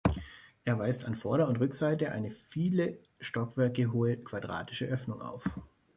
Er weist an Vorder- und Rückseite eine viele Stockwerke hohe quadratische Öffnung auf.